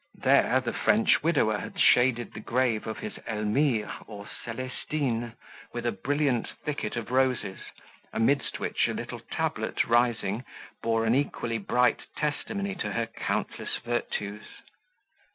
There the French widower had shaded the grave of his Elmire or Celestine with a brilliant thicket of roses, amidst which a little tablet rising, bore an equally bright testimony to her countless virtues.